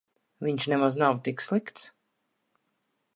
Viņš nav nemaz tik slikts.